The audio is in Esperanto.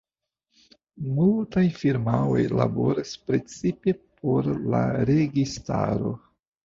Multaj firmaoj laboras precipe por la registaro.